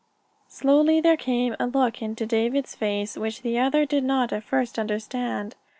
Slowly there came a look into David's face which the other did not at first understand.